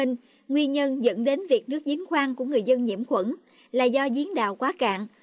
nguyên nhân dẫn đến việc nước giếng khoan của người dân nhiễm khuẩn là do giếng đào quá cạn